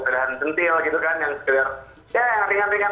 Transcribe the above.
sederhan centil gitu kan yang sekedar ya yang ringan ringan